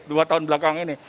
dua tahun belakang ini